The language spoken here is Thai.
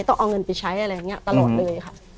ต้องเอาเงินไปใช้อะไรอย่างนี้ตลอดเลยค่ะ